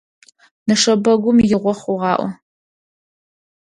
Нэшэбэгум игъо хъугъаӀо.